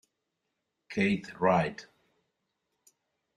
Kate Reid